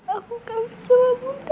aku kan sudah muda